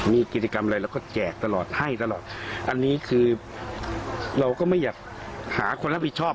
มีกิจกรรมอะไรเราก็แจกตลอดให้ตลอดอันนี้คือเราก็ไม่อยากหาคนรับผิดชอบ